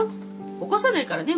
起こさないからね